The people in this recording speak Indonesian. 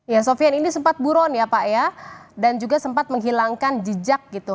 ya sofian ini sempat buron ya pak ya dan juga sempat menghilangkan jejak gitu